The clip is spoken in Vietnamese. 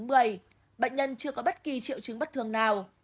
bệnh nhân chưa có bất kỳ triệu chứng bất thường nào